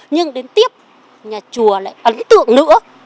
nhưng đến tiếp nhà chùa lại ấn tượng nữa